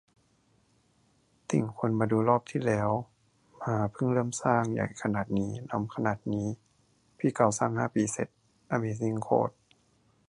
ติ่ง ควรมาดูรอบที่แล้วมาเพิ่งเริ่มสร้าง ใหญ่ขนาดนี้ ล้ำขนาดนี้ พี่เกาสร้างห้าปีเสร็จ อะเมซิ่งโคตร